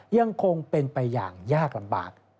ยังคงเป็นไปอย่างยากลำบาก